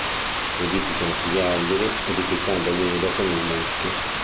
Nidificano sugli alberi, edificando il nido con il muschio.